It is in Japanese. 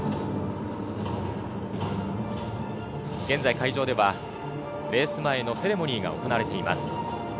現在、会場ではレース前のセレモニーが行われています。